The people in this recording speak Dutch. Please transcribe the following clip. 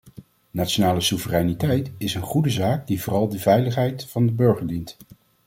Nationale soevereiniteit is een goede zaak die vooral de veiligheid van de burger dient.